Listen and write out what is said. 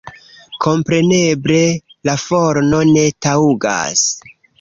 Kompreneble la forno ne taŭgas.